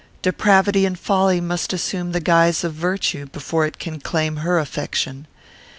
Depravity and folly must assume the guise of virtue before it can claim her affection.